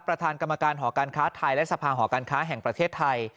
ประธานกรรมการหอการค้าไทยและสภาหอการค้าแห่งประเทศไทย